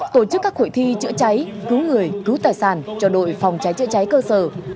tổ chức các khuổi thi trợ cháy cứu người cứu tài sản cho đội phòng cháy trợ cháy cơ sở